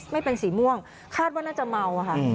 ไม่เป็นสีม่วงคาดว่าน่าจะเมาอะค่ะ